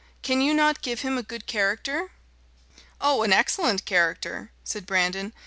can you not give him a good character?" "Oh! an excellent character," said Brandon.